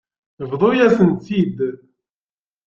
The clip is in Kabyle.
Bḍu-yasen-tt-id.